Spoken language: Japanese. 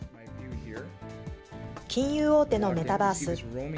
金融大手のメタバース。